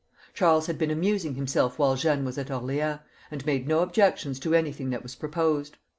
Charles had been amusing himself while Jeanne was at Orleans, and made no objection to anything that was proposed.